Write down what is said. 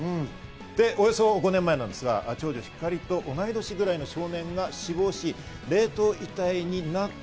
およそ５年前ですが、長女・光莉と同い年ぐらいの少年が死亡し、冷凍遺体になった。